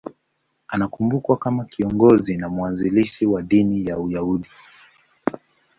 Anakumbukwa kama kiongozi na mwanzilishi wa dini ya Uyahudi.